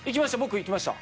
行きました。